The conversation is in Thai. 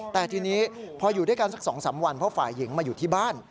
แต่ทีนี้พออยู่ด้วยกันสัก๒๓วันเพราะฝ่ายหญิงมาอยู่ที่บ้าน